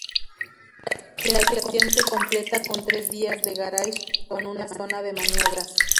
La estación se completa con tres vías de garaje con una zona de maniobras.